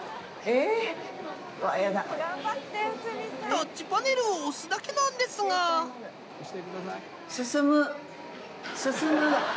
タッチパネルを押すだけなんですが進む進む。